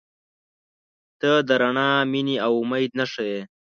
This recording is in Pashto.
• ته د رڼا، مینې، او امید نښه یې.